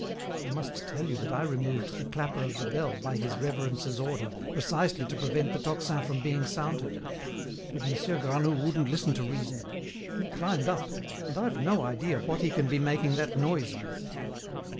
I must tell you that I removed the clapper of the bell, by his Reverence's order, precisely to prevent the tocsin from being sounded. But Monsieur Granoux wouldn't listen to reason. He climbed up, and I've no idea what he can be making that noise with."